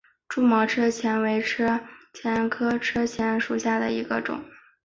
蛛毛车前为车前科车前属下的一个种。